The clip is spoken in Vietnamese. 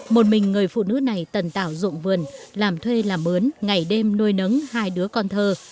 một mình người phụ nữ này tần tạo rộng vườn làm thuê làm ướn ngày đêm nuôi nấng hai đứa con thơ